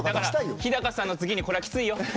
日高さんの次にこれはきついよ。